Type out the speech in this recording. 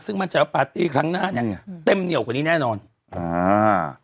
ซึ่งมันจะปาร์ตี้ครั้งหน้าเนี้ยเต็มเหนียวกว่านี้แน่นอนอ่า